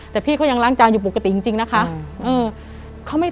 แต่พี่เขายังล้างจานอยู่ปกติจริงนะคะ